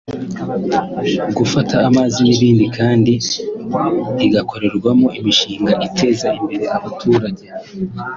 gufata amazi n’ibindi kandi igakorerwamo imishinga iteza imbere abaturage